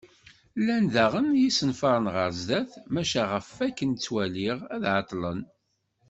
Llan daɣen yisenfaren ɣer sdat, maca ɣef wakken ttwaliɣ ad ɛeṭṭlen.